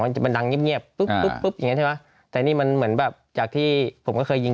มันดังเงียบปุ๊บอย่างนี้ใช่ไหมแต่นี่มันเหมือนแบบจากที่ผมก็เคยยิง